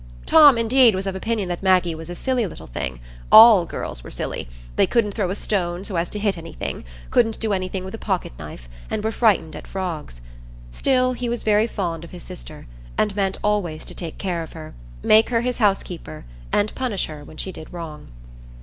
Tom, indeed, was of opinion that Maggie was a silly little thing; all girls were silly,—they couldn't throw a stone so as to hit anything, couldn't do anything with a pocket knife, and were frightened at frogs. Still, he was very fond of his sister, and meant always to take care of her, make her his housekeeper, and punish her when she did wrong.